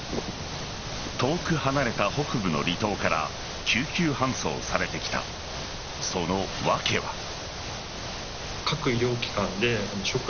遠く離れた北部の離島から救急搬送されてきたその訳は。